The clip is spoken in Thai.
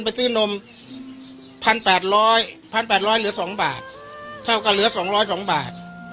ไปซื้อนมพันแปดร้อยพันแปดร้อยเหลือสองบาทเท่ากันเหลือสองร้อยสองบาท